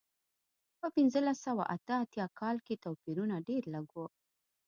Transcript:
په پنځلس سوه اته اتیا کال کې توپیرونه ډېر لږ و.